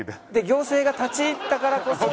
「行政が立ち入ったからこそ」。